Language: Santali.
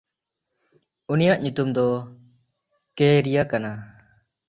ᱩᱱᱤᱭᱟᱜ ᱧᱩᱛᱩᱢ ᱫᱚ ᱠᱮᱭᱮᱨᱤᱭᱟ ᱠᱟᱱᱟ᱾